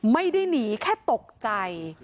ไม่ได้หนีแค่ตกใจ